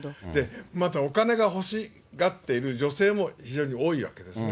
また、お金を欲しがっている女性も非常に多いわけですね。